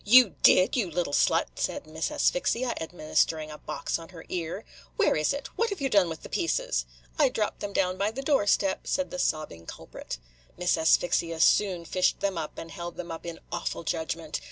"You did, you little slut?" said Miss Asphyxia, administering a box on her ear. "Where is it? what have you done with the pieces?" "I dropped them down by the doorstep," said the sobbing culprit. Miss Asphyxia soon fished them up, and held them up in awful judgment.